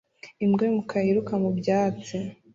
Imbwa y'umukara yiruka mu byatsi